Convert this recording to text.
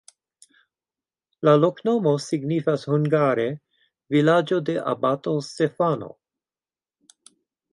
La loknomo signifas hungare: vilaĝo de abato Stefano.